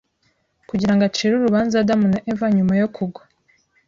kugirango acire urubanza Adamu na Eva nyuma yo kugwa